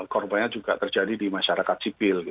korbannya juga terjadi di masyarakat sipil